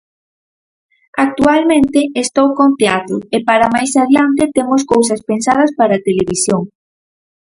Actualmente estou con teatro e para máis adiante temos cousas pensadas para televisión.